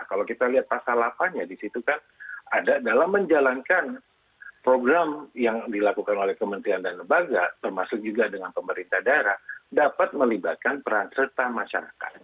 kalau kita lihat pasal delapan nya di situ kan ada dalam menjalankan program yang dilakukan oleh kementerian dan lembaga termasuk juga dengan pemerintah daerah dapat melibatkan peran serta masyarakat